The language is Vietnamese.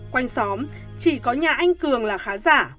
quanh xóm chỉ có nhà anh cường là khá giả